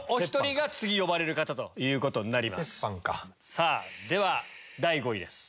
さぁでは第５位です。